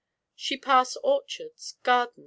She passed orch^r^f . garden?